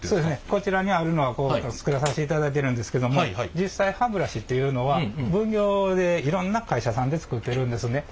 こちらにあるのは作らさせていただいてるんですけども実際いろんな会社さんで作ってるんですね。